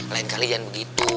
lain kali jangan begitu